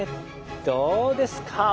どうですか！